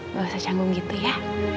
nggak usah canggung gitu ya